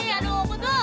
tidak tidak tidak